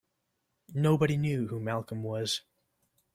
Nobody knew who Malcolm was.